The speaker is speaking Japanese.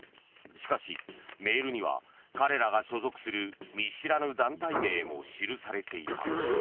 しかし、メールには彼らが所属する見知らぬ団体名も記されていた。